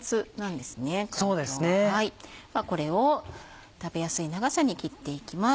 ではこれを食べやすい長さに切っていきます。